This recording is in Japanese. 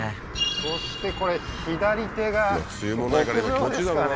そしてこれ左手が牧場ですかね？